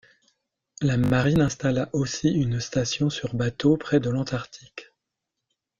La Marine installa aussi une station sur bateau près de l´Antarctique.